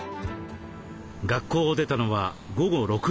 学校を出たのは午後６時すぎ。